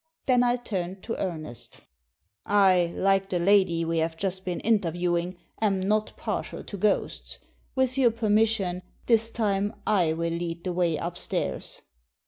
Then I turned to Ernest " I, like the lady we have just been interviewing, am not partial to ghosts. With your permission, this time I will lead the way upstairs."